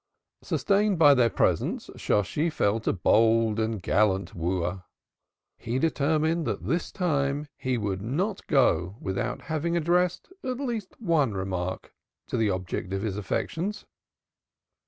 Sustained by their presence, Shosshi felt a bold and gallant wooer. He determined that this time he would not go without having addressed at least one remark to the object of his affections.